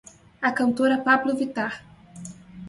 A cantora Pablo Vittar